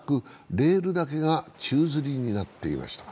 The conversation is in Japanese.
レールだけが宙づりになっていました。